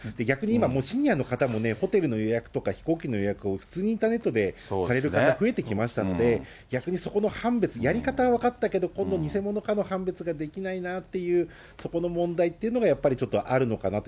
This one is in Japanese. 今、もうシニアの方もね、ホテルの予約とか、飛行機の予約を普通にインターネットでされる方、増えてきましたので、逆に、そこの判別、やり方は分かったけど、今度は偽物かの判別ができないなっていう、そこの問題っていうのが、やっぱりあるのかなと。